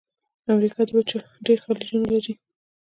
د امریکا وچه ډېر خلیجونه لري.